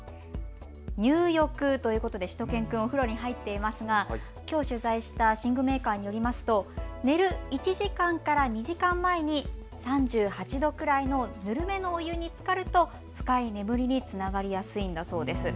入浴ということでしゅと犬くんお風呂に入っていますが、きょう取材した寝具メーカーによりますと寝る１時間から２時間前に３８度くらいのぬるめのお湯につかると深い眠りにつながりやすいんだそうです。